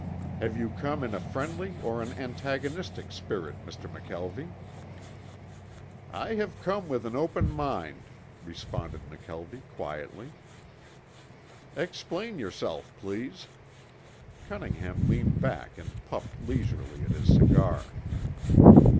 "Have you come in a friendly or an antagonistic spirit, Mr. McKelvie?" "I have come with an open mind," responded McKelvie quietly. "Explain yourself, please." Cunningham leaned back and puffed leisurely at his cigar.